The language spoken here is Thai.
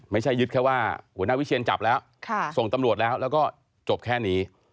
ไม่ใช่ยึดแค่ว่าหัวหน้าวิเชียนจับแล้วส่งตำรวจแล้วแล้วก็จบแค่นี้